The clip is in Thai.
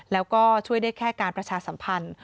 แล้วก็ช่วยได้แค่การประชาสัมพันธ์